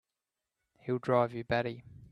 He'll drive you batty!